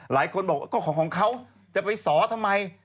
หลายคนบอกก็ของเขาจะไปสอทำไม